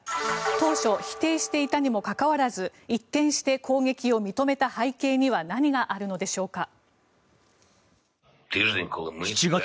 当初否定していたにもかかわらず一転して攻撃を認めた背景には何があるのでしょうか。